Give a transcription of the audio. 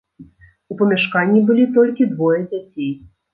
У памяшканні былі толькі двое дзяцей.